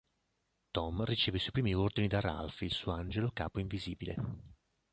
Tom riceve i suoi ordini da Ralph, il suo angelo capo invisibile.